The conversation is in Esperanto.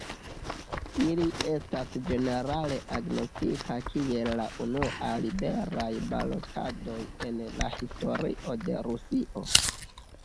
Ili estas ĝenerale agnoskitaj kiel la unuaj liberaj balotadoj en la historio de Rusio.